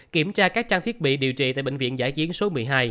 kiểm tra các trang thiết bị điều trị tại bệnh viện giã chiến số một mươi hai